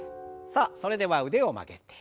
さあそれでは腕を曲げて。